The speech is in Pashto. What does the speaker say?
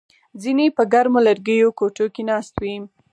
ځینې په ګرمو لرګیو کوټو کې ناست وي